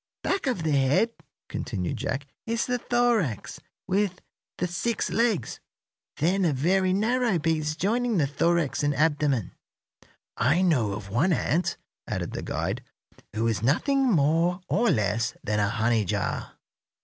"Back of the head," continued Jack, "is the thorax, with the six legs, then a very narrow piece joining the thorax and abdomen." "I know of one ant," added the guide, "who is nothing more or less than a honey jar.